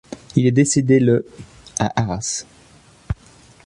Il est décédé le à Arras.